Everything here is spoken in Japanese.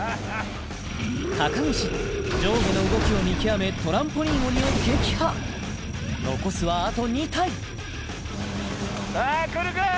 高岸上下の動きを見極めトランポリン鬼を撃破残すはあと２体さあ来るか？